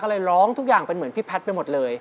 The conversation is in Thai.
ก็เลยร้องทุกอย่างเป็นเหมือนพี่แพทย์ไปหมดเลย